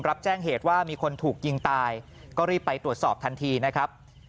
รับแจ้งเหตุว่ามีคนถูกยิงตายก็รีบไปตรวจสอบทันทีนะครับ